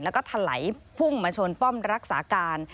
แล้วก็ถลายพุ่งมาชนป้อมรักษาการ